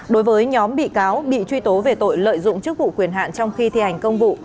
đối với nhóm bị cáo bị truy tố về tội lợi dụng chức vụ quyền hạn trong khi thi hành công vụ